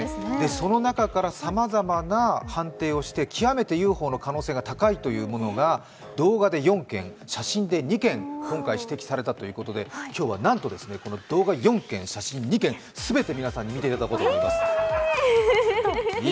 その中からさまざまな判定をして、極めてＵＦＯの可能性が高いというものが、動画で４件、写真で２件、指摘されたということで今日はなんと動画４件、写真２件、全て皆さんに見ていただこうと思います。